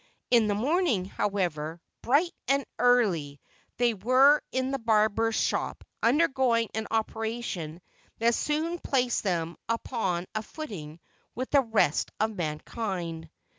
In the morning, however, bright and early, they were in the barber's shop, undergoing an operation that soon placed them upon a footing with the rest of mankind.